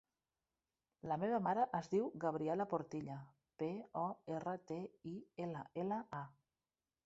La meva mare es diu Gabriela Portilla: pe, o, erra, te, i, ela, ela, a.